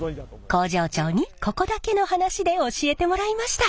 工場長にここだけの話で教えてもらいました。